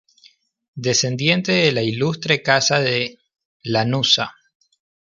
Descendiente de la ilustre Casa de Lanuza.